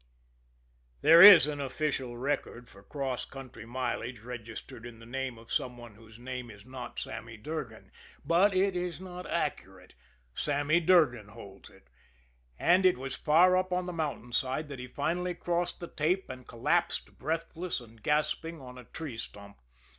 There is an official record for cross country mileage registered in the name of some one whose name is not Sammy Durgan but it is not accurate. Sammy Durgan holds it. And it was far up on the mountain side that he finally crossed the tape and collapsed, breathless and gasping, on a tree stump.